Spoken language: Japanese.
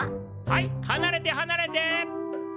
はいはなれてはなれて。